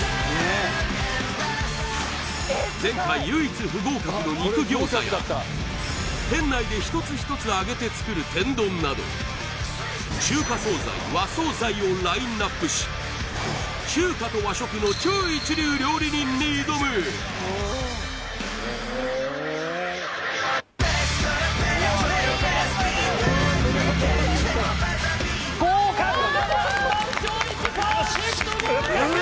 前回唯一不合格の肉餃子や店内で１つ１つ揚げて作る天丼など中華惣菜和惣菜をラインナップし中華と和食の超一流料理人に挑む合格７満場一致パーフェクト合格！